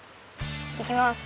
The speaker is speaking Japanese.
いきます。